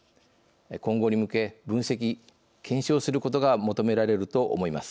今後に向け分析・検証することが求められると思います。